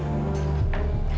amira bagaimana sudah sadar